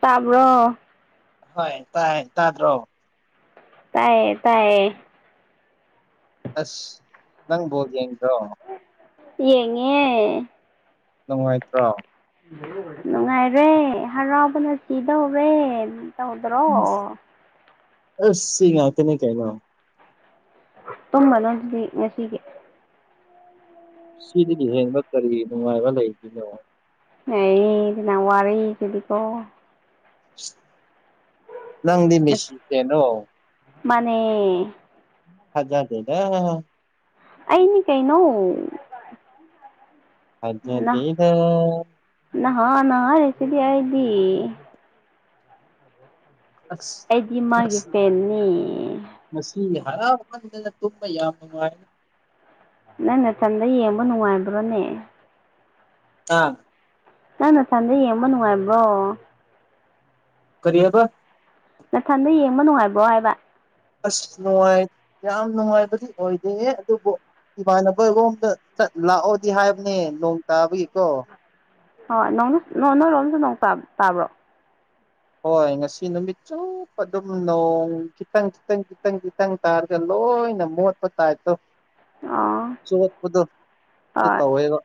ꯇꯥꯕ꯭ꯔꯣ ꯍꯣꯏ ꯇꯥꯏ ꯇꯥꯗ꯭ꯔꯣ ꯇꯥꯏꯌꯦ ꯇꯥꯏꯌꯦ ꯑꯁ ꯅꯪ ꯕꯣꯜ ꯌꯦꯡ ꯌꯦꯡꯉꯦ ꯅꯨꯡꯉꯥꯏꯇ꯭ꯔꯣ ꯅꯨꯡꯉꯥꯏꯔꯦ ꯍꯔꯥꯎꯕꯅ ꯁꯤꯗꯧꯔꯦ ꯇꯧꯗ꯭ꯔꯣ ꯑꯁ ꯁꯤ ꯉꯥꯛꯇꯅꯤ ꯀꯩꯅꯣ ꯇꯨꯝꯃꯅꯨ ꯑꯗꯨꯗꯤ ꯉꯁꯤꯒꯤ ꯁꯤꯗꯒꯤ ꯍꯦꯟꯕ ꯀꯔꯤ ꯅꯨꯡꯉꯥꯏꯕ ꯂꯩꯗꯨꯏꯅꯣ ꯑꯦ ꯀꯅ ꯋꯥꯔ ꯀꯗꯤꯀꯣ ꯅꯪꯗꯤ ꯃꯦꯁꯤ ꯐꯦꯟꯔꯣ ꯃꯥꯅꯦ ꯊꯥꯖꯗꯦꯗ ꯑꯩꯅꯤ ꯀꯩꯅꯣ ꯅꯍ ꯊꯥꯖꯗꯦꯗ ꯅꯍꯥꯟꯅ ꯍꯥꯏꯔꯤꯁꯤꯗꯤ ꯑꯩꯗꯤ ꯑꯁ ꯑꯩꯗꯤ ꯃꯥꯒꯤ ꯐꯦꯟꯅꯤ ꯁꯤꯗꯤ ꯍꯔꯥꯎ ꯃꯟꯗꯅ ꯇꯨꯝꯕ ꯌꯥꯝ ꯅꯨꯡꯉꯥꯏ ꯅꯪ ꯅꯊꯟꯗ ꯌꯦꯡꯕ ꯅꯨꯡꯉꯥꯏꯕ꯭ꯔꯣꯅꯦ ꯑꯥ ꯅꯪ ꯅꯊꯟꯗ ꯌꯦꯡꯕ ꯅꯨꯉꯥꯏꯕ꯭ꯔꯣ ꯀꯔꯤ ꯍꯥꯥꯏꯕ ꯅꯊꯟꯗ ꯌꯦꯡꯕ ꯅꯨꯉꯥꯏꯕ꯭ꯔꯣ ꯍꯥꯏꯕ ꯑꯁ ꯅꯨꯉꯥꯏ ꯌꯥꯝ ꯅꯨꯉꯥꯏꯕꯗꯤ ꯑꯣꯏꯗꯦ ꯑꯗꯨꯕꯨ ꯏꯃꯥꯟꯅꯕ ꯔꯣꯝꯗ ꯆꯠ ꯂꯥꯛꯑꯣꯗꯤ ꯍꯥꯏꯕꯅꯦ ꯅꯣꯡ ꯇꯥꯕꯒꯤꯀꯣ ꯍꯣꯏ ꯅꯣꯡ ꯅꯣꯏꯔꯣꯝꯁꯨ ꯅꯣꯡ ꯇꯥ ꯇꯥꯕ꯭ꯔꯣ ꯍꯣꯏ ꯉꯁꯤ ꯅꯨꯃꯤꯠ ꯆꯨꯞꯄ ꯑꯗꯨꯝ ꯅꯣꯡ ꯈꯤꯇꯪ ꯈꯤꯇꯪ ꯈꯤꯇꯪ ꯈꯤꯇꯪ ꯇꯥꯔꯒ ꯂꯣꯏ ꯑꯣꯏꯅ ꯃꯣꯠꯄ ꯇꯥꯏꯞꯇꯣ ꯑꯥ [unintelligible] ꯗꯨ ꯇꯧꯋꯦꯕ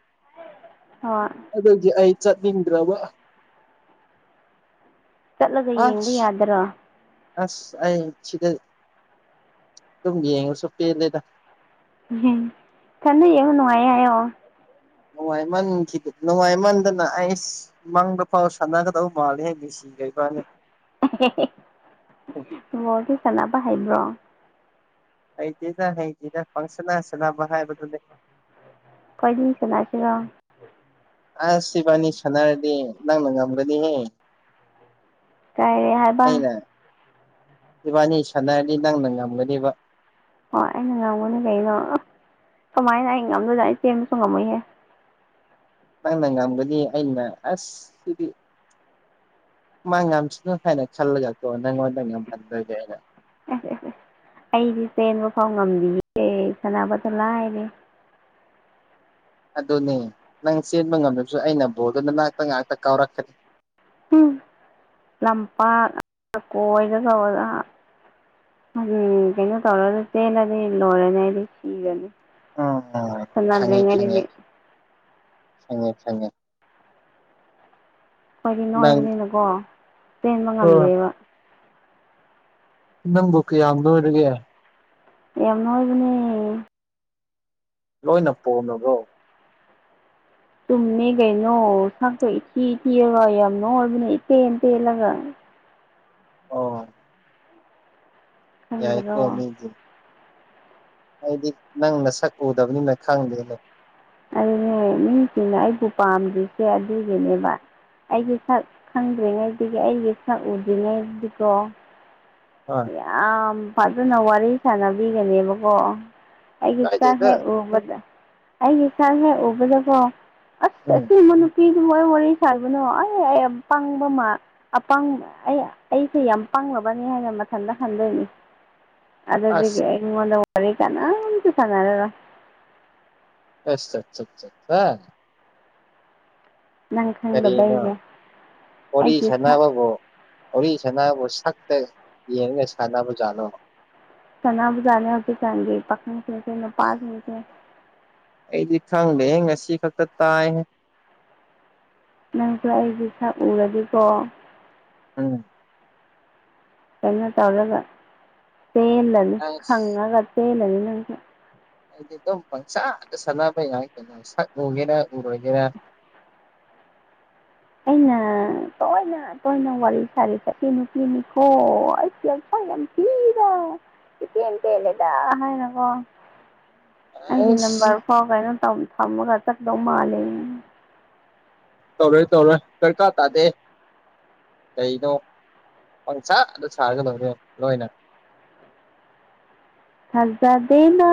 ꯍꯣꯏ ꯑꯗꯨꯒꯤ ꯑꯩ ꯆꯠꯅꯤꯡꯗ꯭ꯔꯕ ꯆꯠꯂꯒ ꯌꯦꯡꯕ ꯑꯁ ꯌꯥꯗ꯭ꯔꯣ ꯑꯁ ꯑꯩ ꯁꯤꯗ ꯗꯨꯝ ꯌꯦꯡꯂꯁꯨ ꯄꯦꯜꯂꯦꯗ ꯎꯝꯍꯝ ꯀꯥꯟꯅꯩ ꯌꯦꯕ ꯅꯨꯡꯉꯥꯏ ꯍꯥꯏꯌꯣ ꯅꯨꯡꯉꯥꯏꯃꯟꯈꯤꯗ ꯅꯨꯡꯉꯥꯏꯃꯟꯗꯅ ꯑꯩꯁ ꯃꯪꯗ ꯐꯥꯎ ꯁꯥꯟꯅꯒꯗꯧ ꯃꯥꯜꯂꯦ ꯃꯦꯁꯤꯒ ꯏꯕꯥꯅꯤ ꯕꯣꯜꯗꯤ ꯁꯥꯟꯅꯕ ꯍꯩꯕ꯭ꯔꯣ ꯍꯩꯇꯦꯗ ꯍꯩꯇꯦꯗ ꯄꯪꯁꯟꯗ ꯁꯥꯟꯅꯕ ꯍꯥꯏꯕꯗꯨꯅꯤ ꯈꯣꯏꯅꯤ ꯁꯥꯟꯅꯁꯤꯔꯣ ꯑꯁ ꯏꯕꯥꯅꯤ ꯁꯥꯟꯅꯔꯗꯤ ꯅꯪꯅ ꯉꯝꯒꯅꯤꯍꯦ ꯀꯥꯏꯔꯤ ꯍꯥꯏꯕ ꯑꯩꯅ ꯏꯕꯥꯅꯤ ꯁꯥꯟꯅꯔꯗꯤ ꯅꯪꯅ ꯉꯝꯒꯅꯤꯕ ꯍꯣꯏ ꯑꯩꯅ ꯉꯝꯒꯅꯤ ꯀꯩꯅꯣ ꯀꯃꯥꯏꯅ ꯑꯩ ꯉꯝꯗꯣꯏꯅꯣ ꯑꯩ ꯆꯦꯟꯕꯁꯨ ꯉꯝꯃꯣꯏꯍꯦ ꯅꯪꯅ ꯉꯝꯒꯅꯤ ꯑꯩꯅ ꯑꯁ ꯁꯤꯗꯤ ꯃꯥ ꯉꯝꯁꯅꯨ ꯍꯥꯏꯅ ꯈꯜꯂꯒꯀꯣ ꯅꯪꯉꯣꯟꯗ ꯉꯝꯍꯟꯗꯣꯏꯅꯦ ꯑꯩꯅ [unintelligible] ꯑꯩꯗꯤ ꯆꯦꯟꯕ ꯐꯥꯎ ꯉꯝꯗꯤꯌꯦ ꯁꯅꯕꯒ ꯂꯥꯏꯔꯤ ꯑꯗꯨꯅꯦ ꯅꯪ ꯆꯦꯟꯕ ꯉꯝꯗ꯭ꯔꯁꯨ ꯑꯩꯅ ꯕꯣꯜꯗꯨ ꯅꯅꯥꯛꯇ ꯉꯥꯛꯇ ꯀꯥꯎꯔꯛꯀꯅꯤ ꯎꯝ ꯂꯝꯄꯥꯛ ꯀꯣꯏꯗ ꯇꯧꯔꯒ ꯎꯝ ꯀꯩꯅꯣ ꯇꯧꯔꯒ ꯆꯦꯜꯂꯗꯤ ꯂꯣꯏꯔꯅꯤ ꯑꯩꯗꯤ ꯁꯤꯒ꯭ꯔꯅꯤ ꯁꯥꯅꯗ꯭ꯔꯤꯉꯩꯗꯒꯤ ꯁꯪꯉꯦ ꯁꯪꯉꯦ ꯑꯩꯗꯤ ꯅꯣꯏꯕꯅꯤꯅꯀꯣ ꯆꯦꯟꯕ ꯑꯣ ꯉꯝꯗꯦꯕ ꯅꯪꯕꯨ ꯀꯌꯥꯝ ꯅꯣꯏꯔꯒꯦ ꯌꯥꯝ ꯅꯣꯢꯕꯅꯦ ꯂꯣꯏꯅ ꯄꯣꯝꯂꯕ꯭ꯔꯣ ꯇꯨꯝꯃꯦ ꯀꯩꯅꯣ ꯁꯛꯇꯣ ꯏꯊꯤꯊꯤꯔꯒ ꯌꯥꯝ ꯅ ꯑꯣꯏꯕꯅꯦ ꯏꯇꯦꯟ ꯇꯦꯜꯂꯒ ꯑꯣ ꯈꯪꯗ꯭ꯔꯣ ꯌꯥꯏꯀꯣꯃꯤꯗꯤ ꯑꯩꯗꯤ ꯅꯪꯅ ꯁꯛ ꯎꯗꯕꯅꯤꯅ ꯈꯪꯗꯦꯗꯣ ꯑꯩ ꯅꯦ ꯃꯤꯁꯤꯡꯅ ꯑꯩꯕꯨ ꯄꯥꯝꯗ꯭ꯔꯤꯁꯦ ꯑꯗꯨꯒꯤꯅꯦꯕ ꯑꯩꯒꯤ ꯁꯛ ꯈꯪꯗ꯭ꯔꯤꯉꯩꯗꯒꯤ ꯑꯩꯒꯤ ꯁꯛ ꯎꯗ꯭ꯔꯤꯉꯩꯗꯤꯀꯣ ꯍꯣꯏ ꯌꯥꯝ ꯐꯖꯅ ꯋꯥꯔꯤ ꯁꯥꯟꯅꯕꯤꯒꯅꯦꯕꯀꯣ ꯑꯩꯒꯤ ꯁꯛ ꯍꯦ ꯀꯥꯏꯗꯦꯗ ꯎꯕꯗ ꯑꯩꯒꯤ ꯁꯛ ꯍꯦꯛ ꯎꯕꯗꯀꯣ ꯑꯁ ꯎꯝ ꯑꯁꯤꯕꯨ ꯅꯨꯄꯤ ꯃꯣꯏ ꯋꯥꯔꯤ ꯁꯥꯕꯅꯣ ꯑꯩ ꯌꯥꯝ ꯄꯥꯡꯕ ꯃꯥꯜ ꯑꯄꯪꯕ ꯑꯩ ꯑꯩꯁꯦ ꯌꯥꯝ ꯄꯥꯡ ꯕꯅꯤ ꯍꯥꯏꯅ ꯃꯊꯟꯇ ꯈꯟꯗꯣꯏꯅꯤ ꯑꯗꯨꯗꯨꯒꯤ ꯑꯁ ꯑꯩ ꯃꯤꯉꯣꯟꯗ ꯋꯥꯔꯤ ꯀꯥꯅꯥꯝꯇ ꯁꯥꯅꯔꯔꯣꯢ ꯑꯁ ꯆ ꯆ ꯆꯠꯄ ꯅꯪ ꯀꯔꯤꯅꯣ ꯈꯪꯗꯕꯩꯅꯦ ꯋꯥꯔꯤ ꯑꯩꯒꯤ ꯁꯛ ꯁꯥꯅꯕꯕꯨ ꯑꯣꯔꯤꯁ ꯁꯥꯅꯕꯕꯨ ꯁꯛꯇ ꯌꯦꯡꯉꯒ ꯁꯥꯅꯕ ꯖꯥꯠꯂꯣ ꯁꯥꯅꯕꯖꯥꯠꯅꯦ ꯍꯧꯖꯤꯛꯀꯥꯟꯒꯤ ꯄꯥꯈꯪꯁꯤꯡꯁꯦ ꯅꯨꯄꯥꯁꯤꯡꯁꯦ ꯑꯩꯗꯤ ꯈꯪꯗꯦ ꯉꯁꯤ ꯈꯛꯇ ꯇꯥꯏ ꯍꯦ ꯅꯪꯁꯨ ꯑꯩꯒꯤ ꯁꯛ ꯎꯔꯗꯤꯀꯣ ꯎꯝ ꯀꯩꯅꯣ ꯇꯧꯔꯒ ꯆꯦꯜꯂꯅꯤ ꯑꯁ ꯈꯪꯉꯒ ꯆꯦꯜꯂꯅꯤ ꯅꯪꯁꯨ ꯑꯩꯗꯤ ꯑꯗꯨꯝ ꯄꯪꯁꯥꯗ ꯁꯥꯟꯅꯕ ꯌꯥꯏ ꯀꯩꯅꯣ ꯁꯛ ꯎꯒꯦꯔꯥ ꯎꯔꯣꯏꯒꯦꯔꯥ [inaudible] ꯑꯩꯅ ꯇꯣꯏꯅ ꯇꯣꯏꯅ ꯋꯥꯔꯤ ꯁꯥꯔꯤꯁꯦꯑꯁꯤ ꯅꯨꯄꯤꯅꯤꯀꯣ ꯑꯁ ꯌꯥꯝ ꯁꯛ ꯌꯥꯝ ꯊꯤꯕ ꯏꯇꯦꯟ ꯇꯦꯜꯂꯤꯗ ꯍꯥꯏꯅꯀꯣ ꯑꯩꯒꯤ ꯑꯁ ꯅꯝꯕꯔ ꯐꯥꯎ ꯀꯩꯅꯣ ꯇꯧ ꯊꯝꯃꯒ ꯆꯠꯀꯗꯧ ꯃꯥꯜꯂꯦ ꯇꯧꯔꯣꯏ ꯇꯧꯔꯣꯏ ꯗꯔꯀꯥꯔ ꯇꯥꯗꯦ ꯀꯩꯅꯣ ꯄꯪꯁꯥꯗ ꯁꯥꯔꯒ ꯂꯣꯢꯔꯦ ꯂꯣꯏꯅ ꯊꯖꯗꯦꯅ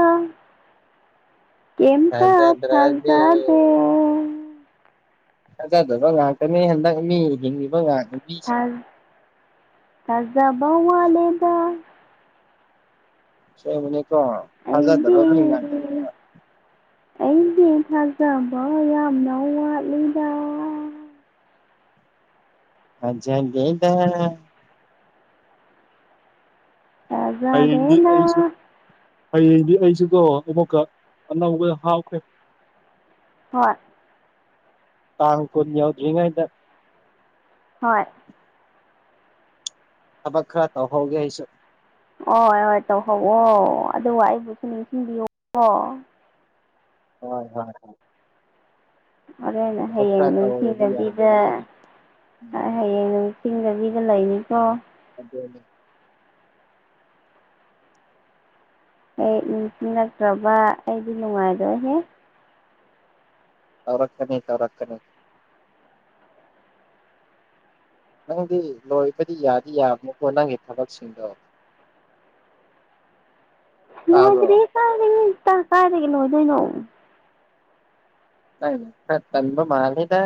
ꯀꯩꯝꯇ ꯊꯥꯖꯗ꯭ꯔꯗꯤ ꯊꯥꯖꯗꯦ ꯊꯥꯖꯗꯕ ꯉꯥꯛꯇꯅꯦ ꯍꯟꯗꯛ ꯃꯤ ꯍꯤꯡꯉꯤꯕ ꯉꯥꯛ ꯊꯥ ꯃꯤꯁꯤꯡꯁꯦ ꯊꯥꯖꯕ ꯋꯥꯠꯂꯦꯗꯥ ꯁꯦꯡꯕꯅꯦꯀꯣ ꯑꯩꯗꯤ ꯊꯥꯖꯥꯗꯕꯒ ꯃꯤ ꯉꯥꯛꯇꯅꯦꯕ ꯑꯩꯗꯤ ꯊꯥꯖꯕ ꯌꯥꯝꯅ ꯋꯥꯠꯂꯤꯗ ꯊꯥꯖꯗꯦꯗ ꯍꯌꯦꯡꯗꯤ ꯊꯥꯖꯗꯦꯅ ꯑꯩꯁꯨ ꯍꯌꯦꯡꯗꯤ ꯑꯩꯁꯤꯀꯣ ꯑꯃꯨꯛꯀ ꯑꯅꯧꯕ ꯍꯥꯞꯈ꯭ꯔꯦ ꯍꯣꯏ ꯇꯥꯡ ꯀꯨꯟ ꯌꯧꯗ꯭ꯔꯤꯉꯥꯏꯗ ꯍꯣꯏ ꯊꯕꯛ ꯈ꯭ꯔ ꯇꯧꯍꯧꯒꯦ ꯑꯩꯁꯨ ꯍꯣꯏ ꯍꯣꯏ ꯇꯧꯍꯧꯑꯣ ꯑꯗꯨꯒ ꯑꯩꯕꯨꯁꯨ ꯅꯤꯡꯁꯤꯡꯕꯤꯌꯣꯀꯣ ꯍꯣꯏ ꯍꯣꯏ ꯍ ꯍꯣꯔꯦꯟ ꯍꯌꯦꯡ ꯇꯧꯔꯗꯤ ꯅꯨꯡꯁꯤꯅꯕꯤꯗ ꯌꯥꯗ꯭ꯔꯦ ꯎꯝ ꯍꯌꯦꯡ ꯅꯨꯡ ꯆꯤꯡꯗꯕꯤꯗ ꯂꯩꯅꯤꯀꯣ ꯑꯗꯨꯅꯦ [unintelligible] ꯅꯠꯇ꯭ꯔꯒ ꯑꯩꯗꯤ ꯅꯨꯡꯉꯥꯏꯕ ꯍꯦ ꯇꯧꯔꯛꯀꯅꯤ ꯇꯧꯔꯛꯀꯅꯤ ꯅꯪꯗꯤ ꯂꯣꯏꯕꯗꯤ ꯌꯥꯗꯤ ꯌꯥꯕꯅꯤꯀꯣ ꯅꯪꯒꯤ ꯊꯕꯛꯁꯤꯡꯗꯣ [inaudible] ꯇꯥꯕ꯭ꯔꯣ ꯂꯣꯏꯗ꯭ꯔꯤꯗꯥ ꯀꯥꯏꯗꯒꯤ ꯀꯥ ꯀꯥꯏꯗꯒꯤ ꯂꯣꯏꯗꯣꯏꯅꯣ ꯅꯪꯒꯤꯗꯣ ꯈꯔ ꯇꯟꯕ ꯃꯥꯜꯂꯤꯗ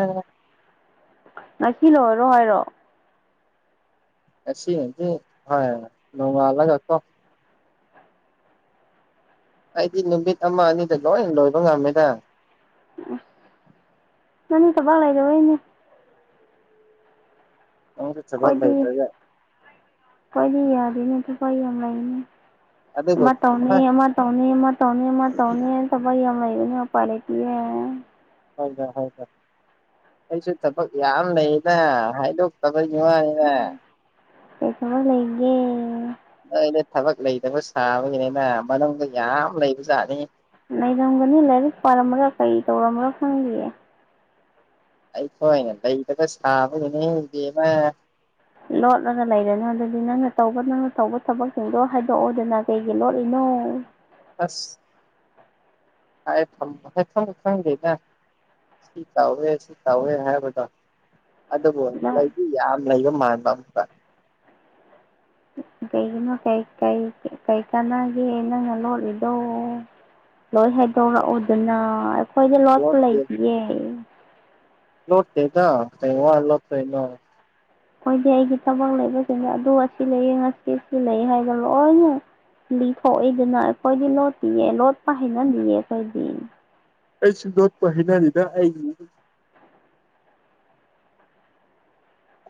ꯉꯁꯤ ꯂꯣꯏꯔꯣ ꯍꯥꯏꯔꯣ ꯉꯁꯤꯃꯗꯤ ꯍꯥꯏ ꯂꯣꯡꯉꯥꯂꯒꯀꯣ ꯑꯩꯗꯤ ꯅꯨꯃꯤꯠ ꯑꯃ ꯑꯅꯤꯗ ꯂꯣꯏꯅ ꯂꯣꯏꯕ ꯉꯝꯃꯦꯗ ꯎꯝ ꯅꯪ ꯊꯕꯛ ꯂꯩꯇꯕꯒꯤꯅꯤ ꯅꯪꯁꯨ ꯊꯕꯛ ꯈꯣꯏꯗꯤ ꯂꯩꯇ꯭ꯔꯒ ꯈꯣꯏꯗꯤ ꯌꯥꯗꯦꯅꯦ ꯊꯕꯛ ꯌꯥꯝ ꯂꯩꯅꯦ ꯑꯗꯨꯕꯨ ꯑꯃ ꯇꯧꯅꯤ ꯍꯣꯏ ꯑꯃ ꯇꯣꯅꯤ ꯃ ꯇꯣꯅꯤ ꯑꯃ ꯇꯣꯅꯤ ꯊꯕꯛ ꯌꯥꯝ ꯂꯩ ꯑꯗꯨꯅ ꯎꯄꯥꯏ ꯂꯩꯇꯤꯌꯦ ꯍꯣꯏꯗ ꯍꯣꯏꯣꯗ ꯑꯩꯁꯨ ꯊꯕꯛ ꯌꯥꯝ ꯂꯩꯗ ꯍꯥꯏꯗꯣꯛꯇꯕ ꯋꯥꯅꯤꯅꯦ ꯎꯝ ꯅꯣꯏꯗ ꯊꯕꯛ ꯂꯩꯇꯕ ꯁꯥꯕꯒꯤꯅꯤꯅ ꯃꯅꯨꯡꯗ ꯌꯥꯝ ꯂꯩꯕꯖꯥꯠꯅꯤ ꯂꯩꯔꯝꯒꯅꯤ ꯂꯥꯏꯔꯤꯛ ꯄꯥꯔꯝꯕ꯭ꯔꯥ ꯀꯔꯤ ꯇꯧꯔꯝꯕ꯭ꯔꯥ ꯈꯪꯗꯤꯌꯦ ꯑꯩꯈꯣꯏꯅ ꯂꯩꯇꯕ ꯁꯥꯕꯗꯨꯗ ꯅꯤꯡꯗꯦꯕ ꯂꯣꯠꯂꯒ ꯂꯩꯔꯅꯨ ꯑꯗꯨꯗꯤ ꯅꯪꯅ ꯇꯧꯕ ꯅꯪꯅ ꯇꯧꯕ ꯊꯕꯛꯁꯤꯡꯗꯣ ꯍꯥꯏꯗꯣꯛꯑꯣꯗꯅ ꯀꯩꯒꯤ ꯂꯣꯠꯂꯤꯅꯣ ꯎꯝ ꯑꯁ [unintelligible] ꯈꯪꯗꯦꯗ ꯁꯤ ꯇꯧꯋꯦ ꯁꯤ ꯇꯧꯋꯦ ꯍꯥꯏꯕꯗꯣ ꯑꯗꯨꯕꯨ ꯂꯩꯗꯤ ꯌꯥꯝ ꯂꯩꯕ ꯃꯥꯟꯕ ꯑꯝꯇ ꯗꯨꯅ ꯀꯩ ꯀꯩ ꯀꯩ ꯀꯥꯟꯅꯒꯦ ꯅꯪꯅ ꯂꯣꯠꯂꯤꯗꯣ ꯂꯣꯏ ꯍꯥꯏꯩꯗꯣꯔꯛꯑꯣꯗꯅ ꯑꯩꯈꯣꯏꯗ ꯂꯣꯠꯄ ꯂꯣꯠꯇꯦ ꯂꯩꯇꯤꯌꯦ ꯂꯣꯠꯇꯦꯗ ꯀꯩ ꯋꯥ ꯂꯣꯠꯇꯣꯏꯅꯣ ꯑꯣꯈꯣꯏꯗꯤ ꯑꯩꯒꯤ ꯊꯕꯛ ꯂꯩꯕꯁꯤꯡꯁꯦ ꯑꯗꯨ ꯑꯁꯤ ꯂꯩꯌꯦ ꯉꯁꯤ ꯑꯁꯤ ꯂꯩ ꯍꯥꯏꯗꯅ ꯂꯣꯏꯅ ꯂꯤꯊꯣꯛꯏꯗꯅ ꯑꯩꯈꯣꯏꯗꯤ ꯂꯣꯠꯇꯤꯌꯦ ꯂꯣꯠꯄ ꯍꯩꯅꯗꯤꯌꯦ ꯑꯩꯈꯣꯏꯗꯤ ꯑꯩꯁꯨ ꯂꯣꯠꯄ ꯍꯩꯅꯗꯦꯗ ꯑꯩꯒꯤ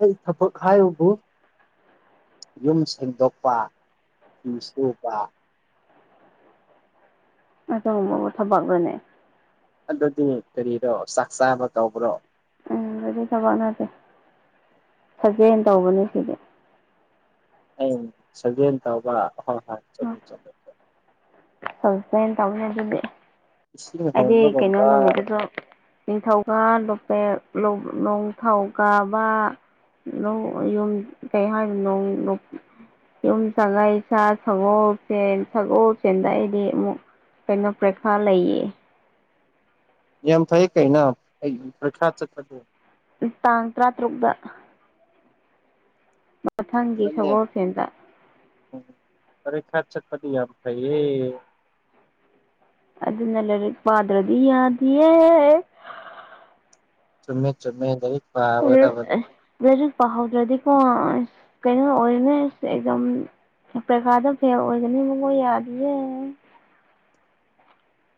ꯑꯩ ꯊꯕꯛ ꯍꯥꯏꯌꯨꯕꯨ ꯌꯨꯝ ꯁꯦꯡꯗꯣꯛꯄ ꯐꯤ ꯁꯨꯕ ꯑꯗꯨꯒꯨꯝꯕꯕꯨ ꯊꯕꯛꯂꯅꯦ ꯑꯗꯨꯗꯤ ꯀꯔꯤꯔꯣ ꯆꯥꯛ ꯆꯥꯕ ꯇꯧꯕ꯭ꯔꯣ ꯎꯝ ꯑꯗꯨꯗꯤ ꯊꯕꯛ ꯅꯠꯇꯦ ꯁꯖꯦꯟ ꯇꯧꯕꯅꯦ ꯁꯤꯗꯤ ꯑꯩ ꯁꯖꯦꯜ ꯇꯧꯕ ꯍꯣꯏ ꯍꯣꯏ [unintelligible] [unintelligible] ꯇꯧꯅꯦ ꯑꯗꯨꯗꯤ ꯏꯁꯤꯡ ꯑꯩꯗꯤ ꯀꯩꯅꯣ ꯍꯣꯟꯕꯒꯨꯝꯕ ꯅꯨꯃꯤꯠꯇꯁꯨ ꯅꯤꯡꯊꯧꯀ ꯂꯣꯄꯦ ꯂꯧ ꯅꯣꯡ ꯊꯧꯀꯥꯕꯥ ꯂꯧ ꯌꯨꯝ ꯀꯩ ꯍꯥꯏꯗꯨꯅꯣ ꯅꯣꯡ ꯌꯨꯝꯁꯥꯒꯩꯁꯥ ꯁꯒꯣꯜꯁꯦꯟ ꯁꯒꯣꯜꯁꯦꯟꯗ ꯑꯩꯗꯤ ꯑꯃꯨꯛ ꯀꯩꯅꯣ ꯄ꯭ꯔꯦꯈꯥ ꯂꯩꯥꯌꯦ ꯌꯥꯝ ꯐꯩꯌꯦ ꯀꯩꯅꯣ ꯑꯩ ꯄ꯭ꯔꯦꯈꯥ ꯆꯠꯄꯗꯤ ꯇꯥꯡ ꯇ꯭ꯔꯥꯇ꯭ꯔꯨꯛꯇ ꯃꯊꯪꯒꯤ ꯑꯗꯨꯅꯦ ꯁꯒꯣꯜꯁꯦꯟꯗ ꯎꯝ ꯄꯔꯤꯈꯥ ꯆꯠꯄꯗꯤ ꯌꯥꯝ ꯐꯩꯌꯦ ꯑꯗꯨꯅ ꯂꯥꯏꯔꯤꯛ ꯄꯥꯗ꯭ꯔꯗꯤ ꯌꯥꯗꯤꯌꯦ ꯆꯨꯝꯃꯦ ꯆꯨꯝꯃꯦ ꯂꯩ [inaudible] ꯄꯥꯍꯧꯗ꯭ꯔꯗꯤꯀꯣ ꯑꯁ ꯀꯩꯅꯣ ꯑꯣꯏꯅꯦ ꯑꯦꯝꯖꯥꯝ ꯄ꯭ꯔꯦꯈꯥꯗ ꯐꯦꯜ ꯑꯣꯏꯒꯅꯤ ꯃꯉꯣ ꯌꯥꯗꯤꯌꯦ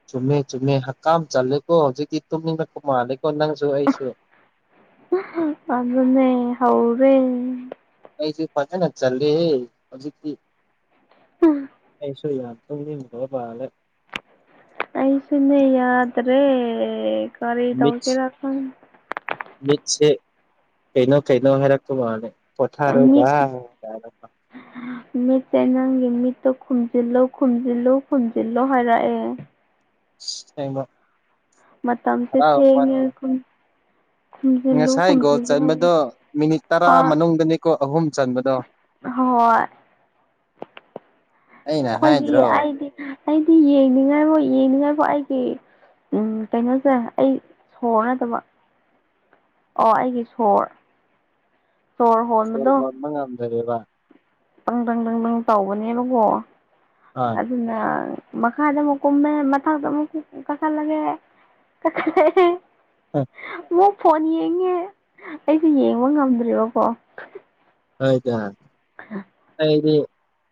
ꯆꯨꯝꯃꯦ ꯆꯨꯝꯃꯦ ꯍꯛꯀꯥꯝ ꯆꯜꯂꯦꯀꯣ ꯍꯧꯖꯤꯛꯇꯤ ꯇꯨꯝꯅꯤꯡꯉꯛꯄ ꯃꯥꯜꯂꯦꯀꯣ ꯅꯪꯁꯨ ꯑꯩꯁꯨ ꯑꯗꯨꯅꯦ ꯍꯧꯔꯦ ꯑꯩꯁꯨ ꯐꯖꯟꯅ ꯆꯜꯂꯦ ꯍꯦ ꯍꯧꯖꯤꯛꯇꯤ ꯑꯩꯁꯨ ꯌꯥ ꯇꯨꯝꯅꯤꯡꯈ꯭ꯔꯕ ꯃꯥꯜꯂꯦ ꯑꯩꯁꯨꯅꯦ ꯌꯥꯗ꯭ꯔꯦ ꯀꯔꯤ ꯃꯤꯠ ꯇꯧꯁꯤꯔ ꯈꯪ ꯃꯤꯠꯁꯦ ꯀꯩꯅꯣ ꯀꯩꯅꯣ ꯍꯥꯏꯔꯛꯄ ꯃꯥꯜꯂꯦ ꯄꯣꯊꯥꯔꯣ ꯚꯥꯏ ꯀꯥꯏꯅ [unintelligible] ꯅꯪꯒꯤ ꯃꯤꯠꯇꯣ ꯈꯨꯝꯖꯤꯜꯂꯣ ꯈꯨꯝꯖꯤꯜꯂꯨ ꯈꯨꯝꯖꯤꯜꯂꯣ ꯍꯥꯏꯔꯛꯑꯦ ꯁꯦꯡꯕ ꯃꯇꯝꯁꯦ ꯊꯦꯡꯉꯦ ꯈꯨꯟ ꯉꯁꯥꯏ ꯒꯣꯜ ꯆꯟꯕꯗꯣ ꯃꯤꯅꯤꯠ ꯇꯔꯥ ꯍꯣꯏ ꯃꯅꯨꯡꯗꯅꯤꯀꯣ ꯑꯍꯨꯝ ꯆꯟꯕꯗꯣ ꯍꯣꯏ ꯑꯩꯅ ꯑꯩꯈꯣꯏꯗꯤ ꯍꯥꯏꯗ꯭ꯔꯣ ꯑꯩꯗꯤ ꯑꯩꯗꯤ ꯌꯦꯡꯅꯤꯡꯉꯥꯏꯕꯨ ꯌꯦꯡꯅꯤꯡꯉꯥꯏꯕꯨ ꯑꯩꯒꯤ ꯎꯝ ꯀꯩꯅꯣꯁꯦ ꯑꯩ ꯁꯣꯔ ꯅꯗꯕ ꯑꯣ ꯑꯩꯒꯤ ꯁꯣꯔ ꯁꯣꯔ ꯍꯣꯟꯕꯗꯣ ꯀꯩꯗꯧꯏꯕ ꯄꯪ ꯗꯪ ꯗꯪ ꯗꯪ ꯇꯧꯕꯅꯦꯕꯀꯣ ꯑꯥ ꯑꯗꯨꯅ ꯃꯈꯥꯗ ꯑꯃꯨꯛ ꯀꯨꯝꯃꯦ ꯃꯊꯛꯇ ꯑꯃꯨꯛ ꯀꯈꯠꯂꯒꯦ ꯑꯣ ꯃꯨꯛ ꯐꯣꯟ ꯌꯦꯡꯉꯦ ꯑꯩꯁꯨ ꯌꯦꯡꯕ ꯉꯝꯗ꯭ꯔꯦꯕꯀꯣ ꯀꯥꯏꯗ [inaudible] ꯑꯩꯗꯤ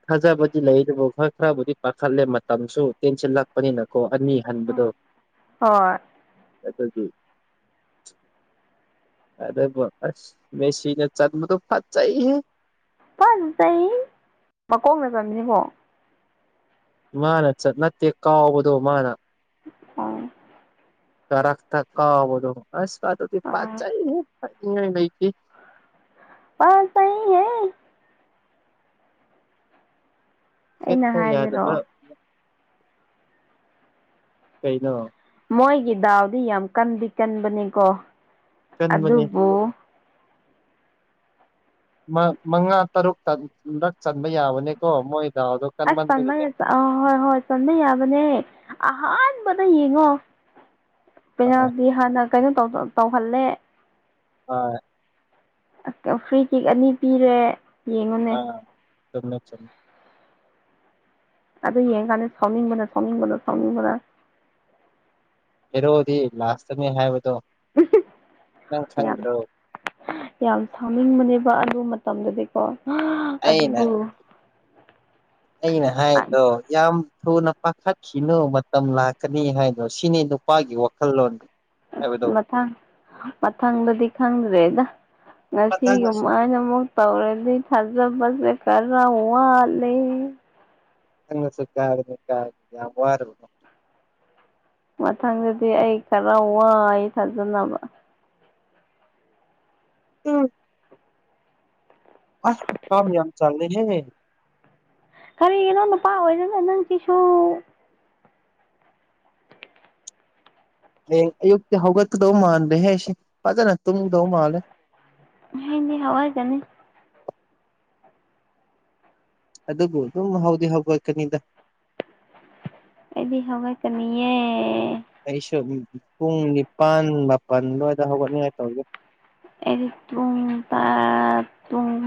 ꯊꯥꯖꯕꯗꯤ ꯂꯩ ꯑꯗꯨꯕꯨ ꯈꯔ ꯈꯔꯕꯨꯗꯤ ꯄꯥꯈꯠꯂꯦ ꯃꯇꯝꯁꯨ ꯇꯦꯟꯁꯤꯜꯂꯛꯄꯅꯤꯅꯀꯣ ꯑꯅꯤ ꯍꯟꯕꯗꯣ ꯍꯣꯏ ꯑꯗꯨꯒꯤ ꯑꯗꯕꯨ ꯑꯁ ꯃꯦꯁꯤꯅꯦ ꯆꯟꯕꯗꯨ ꯐꯖꯩꯍꯦ ꯐꯖꯩ ꯃꯀꯣꯡꯅ ꯆꯟꯕꯅꯤꯀꯣ ꯃꯥꯅ ꯆꯠ ꯅꯠꯇꯦ ꯀꯥꯎꯕꯗꯣ ꯃꯥꯅ ꯑ ꯀꯔꯛꯇ ꯀꯥꯎꯕꯗꯣ ꯑꯁ ꯑꯗꯨꯗꯤ ꯑꯥ ꯐꯖꯩꯍꯦ ꯊꯠꯅꯤꯡꯉꯥꯏ ꯂꯩꯇꯦ ꯑꯁ ꯆꯩꯍꯦ ꯑꯩꯅ ꯆꯠꯐꯥꯎ ꯍꯥꯏꯕꯗꯣ ꯌꯥꯗꯕ ꯀꯩꯩꯅꯣ ꯃꯣꯏꯒꯤ ꯗꯥꯎꯗꯤ ꯌꯥꯝ ꯀꯟꯗꯤ ꯀꯟꯕꯅꯤꯀꯣ ꯀꯟꯕꯅꯤ ꯑꯗꯨꯕꯨ ꯃꯉꯥ ꯇꯔꯨꯛꯂꯛ ꯆꯟꯕ ꯌꯥꯕꯅꯦꯀꯣ ꯃꯣꯏ ꯗꯥꯎꯗꯣ ꯑꯁ ꯀꯟꯃꯟꯕꯒꯤꯅꯦ ꯆꯟ ꯑ ꯍꯣꯏ ꯍꯣꯏ ꯆꯟꯕ ꯌꯥꯕꯅꯦ ꯑꯍꯥꯟꯕꯗ ꯌꯦꯡꯉꯣ ꯍꯣꯏ ꯄꯦꯅꯥꯜꯗꯤ ꯍꯥꯟꯅ ꯀꯩꯅꯣ ꯇꯧꯍꯜꯂꯦ ꯍꯣꯏ ꯐ꯭ꯔꯤ ꯀꯦꯛ ꯑꯅꯤ ꯄꯤꯔꯦ ꯌꯦꯡꯉꯨꯅꯦ ꯑꯥ ꯆꯨꯝꯃꯦ ꯆꯨꯝꯃꯦ ꯑꯗꯨ ꯌꯦꯡ ꯀꯥꯟꯗ ꯁꯥꯎꯅꯤꯡꯕꯅ ꯁꯥꯎꯅꯤꯡꯕꯅꯣ ꯁꯥꯎꯅꯤꯡꯕꯅ ꯍꯦꯔꯣꯗꯤ ꯂꯥꯁꯇꯅꯦ ꯍꯥꯏꯕꯗꯣ ꯅꯪ ꯌꯥꯝ ꯈꯪꯗ꯭ꯔꯣ ꯌꯥꯝ ꯁꯥꯎꯅꯤꯡꯕꯅꯦꯕ ꯑꯗꯨ ꯃꯇꯝꯗꯗꯤꯀꯣ ꯑ ꯑꯩꯅ ꯑꯗꯨꯕꯨ ꯑꯩꯅ ꯍꯥꯏꯗꯣ ꯌꯥꯝ ꯊꯨꯅ ꯄꯥꯈꯠꯈꯤꯅꯨ ꯃꯇꯝ ꯂꯥꯛꯀꯅꯤ ꯍꯥꯏꯗꯣ ꯁꯤꯅꯤ ꯅꯨꯄꯥꯒꯤ ꯋꯥꯈꯜꯂꯣꯟ ꯑꯁ ꯍꯥꯏꯕꯗꯣ ꯃꯊꯪ ꯃꯊꯪꯗꯗꯤ ꯈꯪꯗ꯭ꯔꯦꯗ ꯃꯊꯪꯗꯁꯨ ꯉꯁꯤꯒꯨꯃꯥꯏꯅ ꯑꯃꯨꯛ ꯇꯧꯔꯗꯤ ꯊꯥꯖꯕꯁꯦ ꯀꯔ ꯋꯥꯠꯂꯦ [unintelligible] ꯃꯊꯪꯗꯗꯤ ꯑꯩ ꯈꯔ ꯋꯥꯏ ꯊꯥꯖꯅꯂꯕ ꯎꯝ ꯑꯁ ꯍꯀꯝ ꯌꯥꯝ ꯆꯜꯂꯦ ꯍꯦ ꯀꯔꯤꯒꯤꯅꯣ ꯅꯨꯄꯥ ꯑꯣꯏꯔꯒ ꯅꯪꯁꯤꯁꯨ ꯍꯌꯦꯡ ꯑꯌꯨꯛꯇꯤ ꯍꯧꯒꯠꯀꯗꯧ ꯃꯥꯟꯗꯦꯍꯦ ꯑꯩꯁꯦ ꯐꯖꯅ ꯇꯨꯝꯒꯗꯧ ꯃꯥꯜꯂꯦ ꯍꯦꯟꯗꯤ ꯍꯧꯒꯠꯀꯅꯤ ꯑꯗꯨꯕꯨ ꯑꯗꯨꯝ ꯍꯧꯗꯤ ꯍꯧꯒꯠꯛꯀꯅꯤꯗ ꯑꯩꯗꯤ ꯍꯧꯒꯠꯀꯅꯤꯌꯦ ꯑꯩꯁꯨ ꯄꯨꯡ ꯅꯤꯄꯥꯜ ꯃꯥꯄꯜ ꯗꯨꯋꯥꯏꯗ ꯍꯧꯒꯠꯅꯤꯡꯉꯥꯏ ꯇꯧꯒꯦ ꯑꯩꯗꯤ ꯄꯨꯡ ꯇꯥ ꯄꯨꯡ